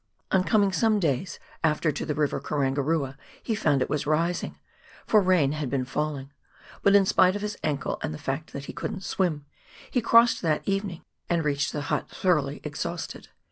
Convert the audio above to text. On coming some days after to the river Karangarua, he found it was rising — for rain had been falling — but in spite of his ankle, and the fact that he couldn't swim, he crossed that evening, and reached the hut thoroughly exhausted.